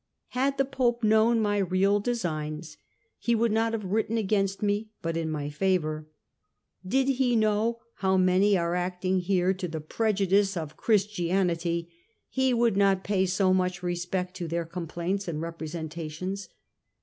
Had the Pope known my real designs, he would not have written against me but in my favour : did he know how many are acting here to the prejudice THE EXCOMMUNICATE CRUSADER 99 of Christianity he would not pay so much respect to their complaints and representations.